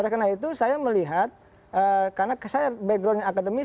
karena itu saya melihat karena saya backgroundnya akademik